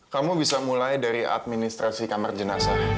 kamu bisa mulai dari administrasi kamar jenazah